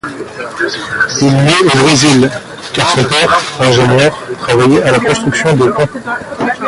Il naît au Brésil, car son père, ingénieur, travaillait à la construction de ponts.